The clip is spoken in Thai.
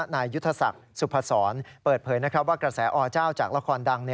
นายยุทธศักดิ์สุพศรเปิดเผยว่ากระแสอเจ้าจากละครดัง